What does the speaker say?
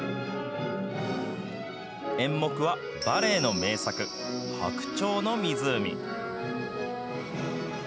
演目はバレエの名作、白鳥の湖。